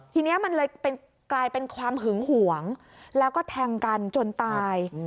ทีนี้มันเลยกลายเป็นความหึงหวงแล้วก็แทงกันจนตาย